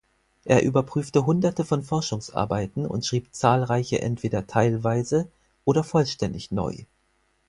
Er überprüfte Hunderte von Forschungsarbeiten und schrieb zahlreiche entweder teilweise oder vollständig neu.